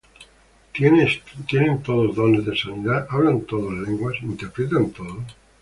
¿Tienen todos dones de sanidad? ¿hablan todos lenguas? ¿interpretan todos?